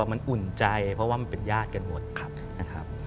มันอุ่นใจเพราะว่ามันเป็นญาติกันหมดนะครับ